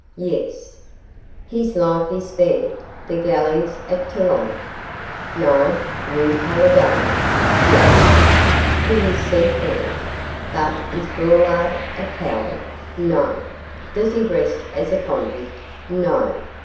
Yes. His life is spared. The galleys at Toulon? No. New Caledonia? Yes. He is sent there. But is Braulard a coward? No. Does he rest as a convict? No.